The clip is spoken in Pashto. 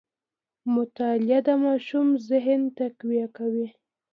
مطالعه د ماشوم ذهن تقویه کوي.